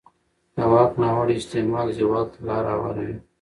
د واک ناوړه استعمال زوال ته لاره هواروي